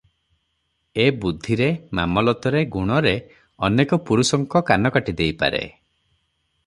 ଏ ବୁଦ୍ଧିରେ, ମାମଲତରେ ଗୁଣରେ ଅନେକ ପୁରୁଷଙ୍କ କାନ କାଟି ଛାଡ଼ିଦେଇପାରେ ।